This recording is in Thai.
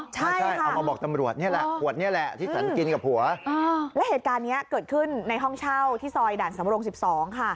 ใช่เอามาบอกตำรวจนี่แหละขวดนี้แหละที่ฉันกินกับผัวและเหตุการณ์นี้เกิดขึ้นในห้องเช่าที่ซอยด่านสำรง๑๒ค่ะ